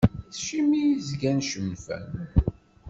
Acimi zgan cennfen?